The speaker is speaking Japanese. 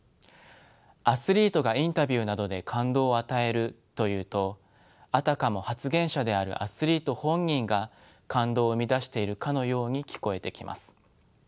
アスリートがインタビューなどで「感動を与える」と言うとあたかも発言者であるアスリート本人が感動を生み出しているかのように聞こえてきます。